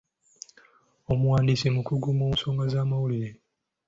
Omuwandiisi mukugu mu nsonga z'amawulire.